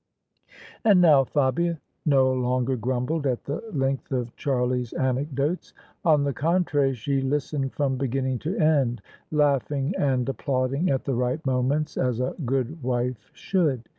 And now Fabia no longer grumbled at the length of Charlie's anecdotes : on the contrary, she listened from begin ning to end, laughing and applauding at the right moments, as a good wife should.